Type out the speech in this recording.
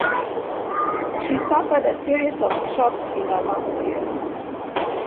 She suffered a series of strokes in her last years.